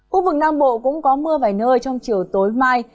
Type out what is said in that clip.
khu vực nam bộ cũng có mưa vài nơi trong chiều tối mai